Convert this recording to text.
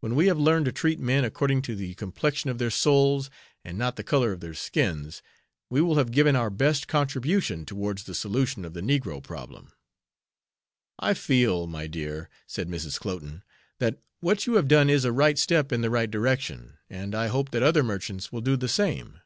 When we have learned to treat men according to the complexion of their souls, and not the color of their skins, we will have given our best contribution towards the solution of the negro problem." "I feel, my dear," said Mrs. Cloten, "that what you have done is a right step in the right direction, and I hope that other merchants will do the same.